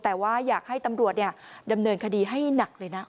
แต่ว่าอยากให้ตำรวจดำเนินคดีให้หนักเลยนะ